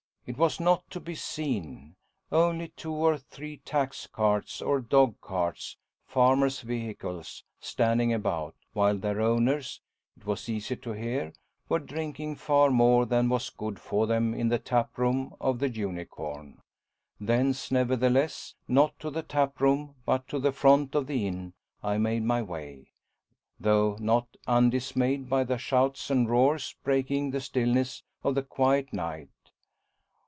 It was not to be seen; only two or three tax carts or dog carts, farmers' vehicles, standing about, while their owners, it was easy to hear, were drinking far more than was good for them in the taproom of the Unicorn. Thence, nevertheless not to the taproom, but to the front of the inn I made my way, though not undismayed by the shouts and roars breaking the stillness of the quiet night.